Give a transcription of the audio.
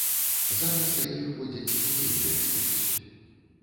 Зараз да іх водзяць дзяцей на экскурсію.